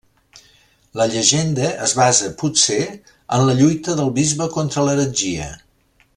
La llegenda es basa, potser, en la lluita del bisbe contra l'heretgia.